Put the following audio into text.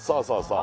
そう